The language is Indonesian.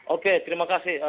oke terima kasih